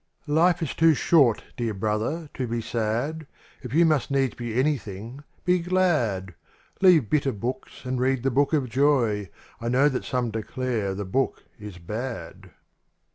IFE is too short, dear brother, to be sad; If you must needs be anything — be glad ; Leave bitter books and read the Book of Joy— I know that some declare the book is bad.